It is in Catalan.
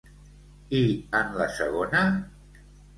I en la segona?